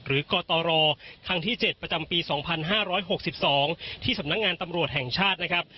กตรครั้งที่๗ประจำปี๒๕๖๒ที่สำนักงานตำรวจแห่งชาตินะครับ